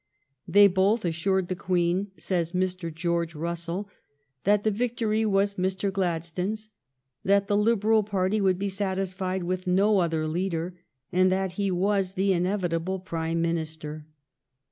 *' They both as sured the Queen," says Mr. George Russell, " that the victory was Mr. Gladstone's, that the Liberal party would be satisfied with no other leader, and that he was the inevitable Prime Minister.